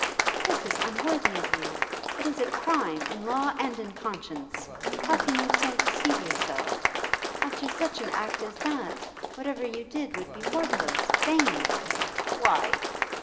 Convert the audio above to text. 'This is unworthy of you. It is a crime, in law and in conscience. How can you so deceive yourself? After such an act as that, whatever you did would be worthless, vain.' 'Why?